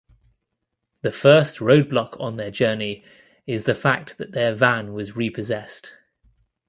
The first roadblock on their journey is the fact that their van was repossessed.